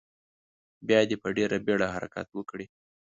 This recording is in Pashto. بیا دې په ډیره بیړه حرکت وکړي.